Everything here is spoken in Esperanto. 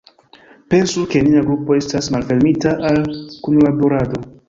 Pensu, ke nia grupo estas malfermita al kunlaborado.